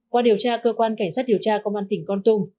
qua điều tra cơ quan cảnh sát điều tra công an tỉnh con tum